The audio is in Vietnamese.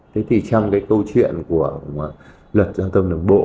thế thì trong cái câu chuyện của luật giang tâm đồng bộ